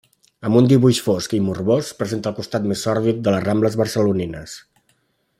Amb un dibuix fosc i morbós, presenta el costat més sòrdid de les Rambles barcelonines.